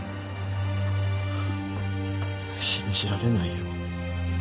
フッ信じられないよ。